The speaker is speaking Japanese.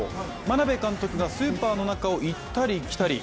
眞鍋監督がスーパーの中を行ったり来たり。